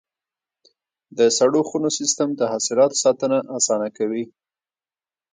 د سړو خونو سیستم د حاصلاتو ساتنه اسانه کوي.